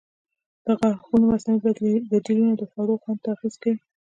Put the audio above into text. د غاښونو مصنوعي بدیلونه د خوړو خوند ته اغېز کوي.